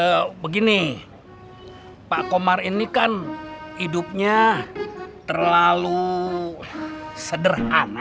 ya begini pak komar ini kan hidupnya terlalu sederhana